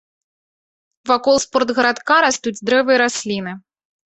Вакол спортгарадка растуць дрэвы і расліны.